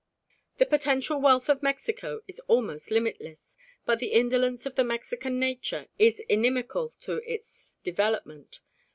The potential wealth of Mexico is almost limitless, but the indolence of the Mexican nature is inimical to its development.